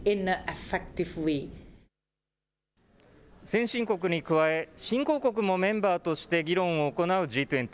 先進国に加え、新興国もメンバーとして議論を行うＧ２０。